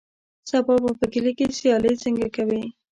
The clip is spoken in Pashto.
سبا به په کلي کې سیالۍ څنګه کوې.